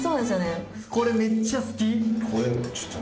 これめっちゃ好き。